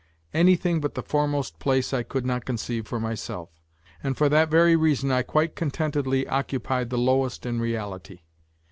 Anything but the foremost place I could not conceive for myself, and for that very reason I quite contentedly occupied the lowest in reality.